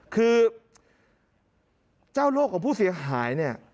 คือเจ้าโลกของผู้เสียหาย